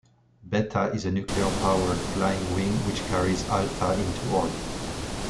Beta is a nuclear-powered flying wing which carries Alpha into orbit.